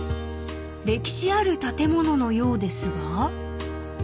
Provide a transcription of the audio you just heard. ［歴史ある建物のようですが］